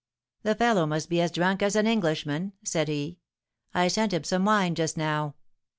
'The fellow must be as drunk as an Englishman,' said he; 'I sent him some wine just now.